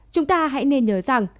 chúng ta hãy nên nhớ rằng